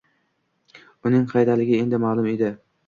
Uning qaydaligi endi ma'lum edi.